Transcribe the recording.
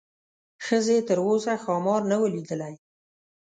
ښځې تر اوسه ښامار نه و لیدلی.